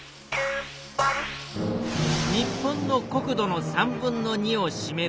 日本の国土の３分の２をしめる森林。